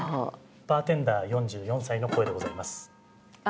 バーテンダー４４歳の声でございます。